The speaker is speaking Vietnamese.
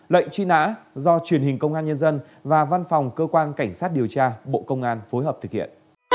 lệnh truy nã do truyền hình công an nhân dân và văn phòng cơ quan cảnh sát điều tra bộ công an phối hợp thực hiện